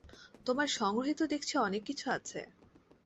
তোমার সংগ্রহে তো দেখছি অনেক কিছু আছে।